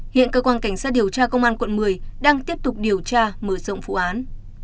hiện cơ quan cảnh sát điều tra công an quận một mươi đang tiếp tục điều tra mở rộng vụ án